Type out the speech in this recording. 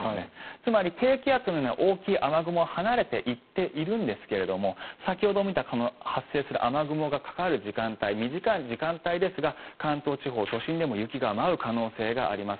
つまり、低気圧の大きな雨雲は離れていっているんですが先ほど見た発生する雨雲がかかる時間帯短い時間帯ですが関東地方、都心でも雪が舞う可能性があります。